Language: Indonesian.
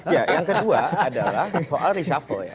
ya yang kedua adalah soal reshuffle ya